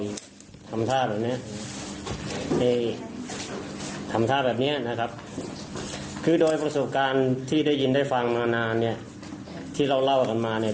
ข้าวว่าอย่างที่เราเล่ากันมาเนย